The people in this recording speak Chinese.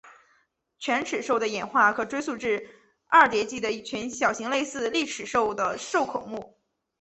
犬齿兽的演化可追溯到二叠纪的一群小型类似丽齿兽的兽孔目。